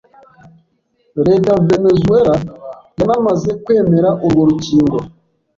leta ya Venezuela yanamaze kwemera urwo rukingo